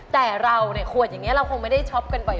แต่เราเนี่ยขวดอย่างนี้เราคงไม่ได้ช็อปกันบ่อย